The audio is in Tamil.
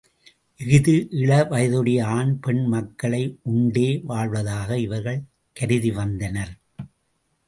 இஃது இளவயதுடைய ஆண் பெண் மக்களை உண்டே வாழ்வதாக இவர்கள் கருதிவந்தனர்.